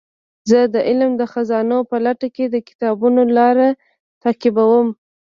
زه د علم د خزانو په لټه کې د کتابونو لار تعقیبوم.